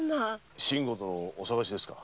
信吾殿をお捜しですか？